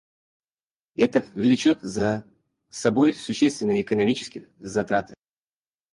Это влечет за собой существенные экономические затраты